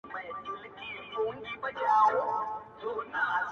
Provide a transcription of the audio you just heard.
خدایه څه بدرنګه شپې دي د دښتونو په کیږدۍ کي٫